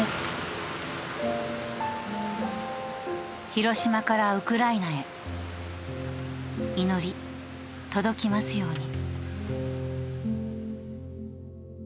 ヒロシマからウクライナへ祈り、届きますように。